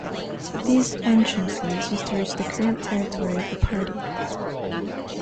These “entrances” used to reach the current territory of the party.